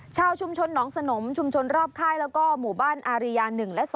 ชาวชุมชนหนองสนมชุมชนรอบค่ายแล้วก็หมู่บ้านอาริยา๑และ๒